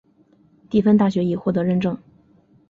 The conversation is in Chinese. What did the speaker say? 蒂芬大学已获得认证。